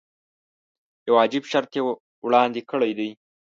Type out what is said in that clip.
یو عجیب شرط یې وړاندې کړی دی.